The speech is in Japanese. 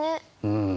うん。